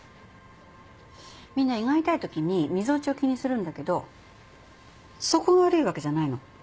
みんな胃が痛いときにみぞおちを気にするんだけどそこが悪いわけじゃないの。